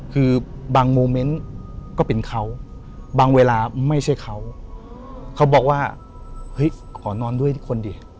คือบางโมเมนต์ก็เป็นเขาบางเวลาไม่ใช่เขาเขาบอกว่าเฮ้ยขอนอนด้วยที่คนดิ